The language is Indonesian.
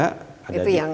selain itu juga